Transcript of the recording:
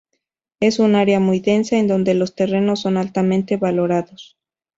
Es un área muy densa, en donde los terrenos son altamente valorados.